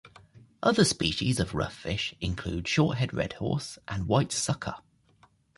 Other species of rough fish include Shorthead Redhorse and White Sucker.